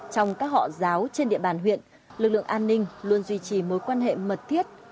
trong các họ giáo trên địa bàn huyện lực lượng an ninh luôn duy trì mối quan hệ mật thiết